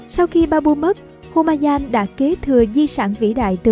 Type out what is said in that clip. sau khi babur mất humayun đã kế thừa di sản vĩ đại từ